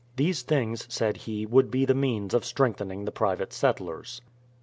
These things, said he, would be the means of strengthening the private settlers.